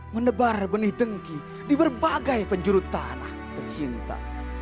menebar benih dengki di berbagai penjuru tanah tercinta